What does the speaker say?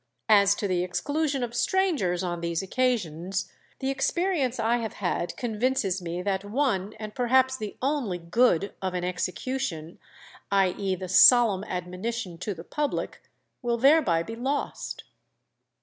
As to the exclusion of strangers on these occasions, the experience I have had convinces me that one, and perhaps the only, good of an execution, i. e. the solemn admonition to the public, will thereby be lost."